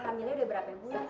hamilnya udah berapa bulan